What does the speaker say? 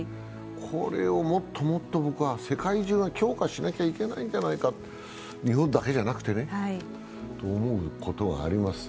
これをもっともっと世界中が強化しないといけないんじゃないか、日本だけじゃなくてね、と思うことはあります。